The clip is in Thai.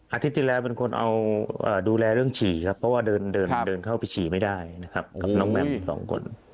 ที่แล้วเป็นคนเอาดูแลเรื่องฉี่ครับเพราะว่าเดินเดินเข้าไปฉี่ไม่ได้นะครับกับน้องแมมอีกสองคน